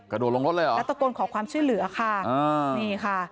กระโดดลงรถเลยเหรอนัตตุกรณ์ขอความช่วยเหลือค่ะนี่ค่ะ